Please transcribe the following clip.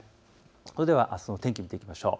それではあすの天気、見ていきましょう。